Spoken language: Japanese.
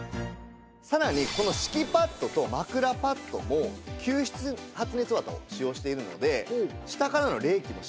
さらにこの敷きパッドと枕パッドも吸湿発熱綿を使用しているので。